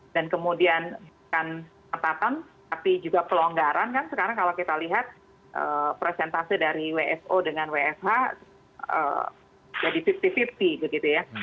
dan kemudian kan ketatan tapi juga pelonggaran kan sekarang kalau kita lihat presentasi dari wfo dengan wfh jadi lima puluh lima puluh gitu ya